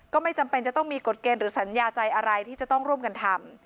ก็ไม่จำเป็นจะต้องมีกฎเกณฑ์หรือสัญญาใจอะไรที่จะต้องร่วมกันทำ